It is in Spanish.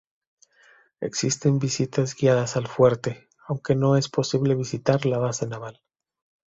Existen visitas guiadas al fuerte, aunque no es posible visitar la base naval.